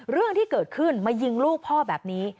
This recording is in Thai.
เรื่องที่เกิดขึ้นมายิงลูกพ่อแบบนี้